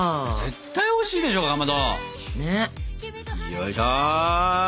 よいしょ。